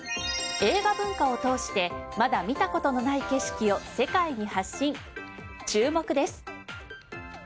映画文化をとおしてまだ見たことのない景色を世界に発信、注目です。